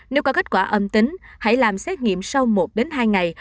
nếu có kết quả âm tính hãy làm xét nghiệm sau một đến hai ngày